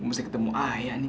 mesti ketemu ayah nih